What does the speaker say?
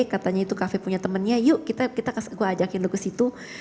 katanya itu kafe punya temennya yuk kita gue ajakin lo ke situ